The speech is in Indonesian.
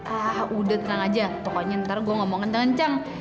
ah udah tenang aja pokoknya ntar gua ngomong kenceng kenceng